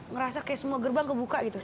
ngerasa kayak semua gerbang kebuka gitu